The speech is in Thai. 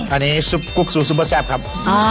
อันนี้ซุปกุ๊กซูซุปเปอร์แซ่บครับ